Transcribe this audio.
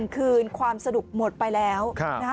๑คืนความสะดุกหมดไปแล้ว